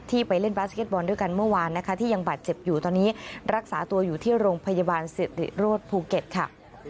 ไปเล่นบาสเก็ตบอลด้วยกันเมื่อวานนะคะที่ยังบาดเจ็บอยู่ตอนนี้รักษาตัวอยู่ที่โรงพยาบาลสิริโรธภูเก็ตค่ะ